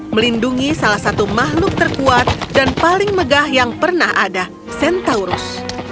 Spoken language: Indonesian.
melindungi salah satu makhluk terkuat dan paling megah yang pernah ada centaurus